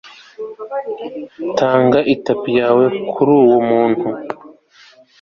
tanga itapi yawe kuri uwo muntu